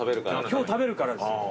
今日食べるからです。